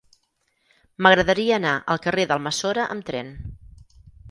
M'agradaria anar al carrer d'Almassora amb tren.